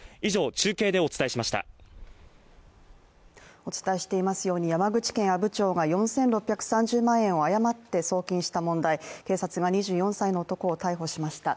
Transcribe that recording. お伝えしていますように山口県阿武町が４６３０万円を誤って送金した問題、警察が２４歳の男を逮捕しました。